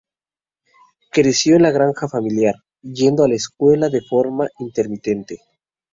Creció en la granja familiar, yendo a la escuela de forma intermitente.